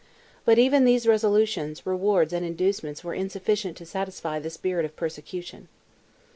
But even these resolutions, rewards, and inducements were insufficient to satisfy the spirit of persecution.